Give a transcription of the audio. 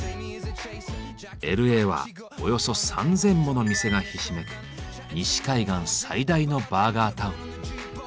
Ｌ．Ａ．はおよそ３，０００もの店がひしめく西海岸最大のバーガータウン。